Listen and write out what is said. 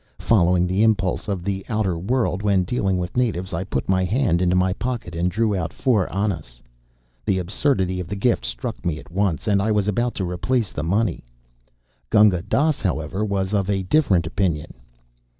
Following the impulse of the outer world when dealing with natives, I put my hand into my pocket and drew out four annas. The absurdity of the gift struck me at once, and I was about to replace the money. Gunga Dass, however, was of a different opinion.